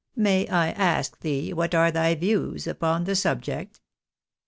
" May I ask thee what are thy views upon the subject?